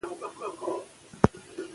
که یووالی وي نو دښمن نه بریالی کیږي.